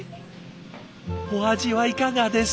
お味はいかがです？